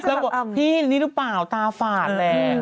แล้วก็บอกพี่นี่หรือเปล่าตาฝาดแหละ